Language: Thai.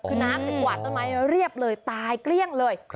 คือน้ำถึงกวาดต้นไม้เรียบเลยตายเกลี้ยงเลย